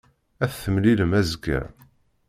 Ad t-temlilem azekka.